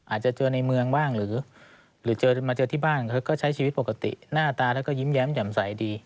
อาจจะเจอในเมืองบ้างหรือเจอมาเจอที่บ้านเขาก็ใช้ชีวิตปกติหน้าตาแล้วก็ยิ้มแย้มแจ่มใสดี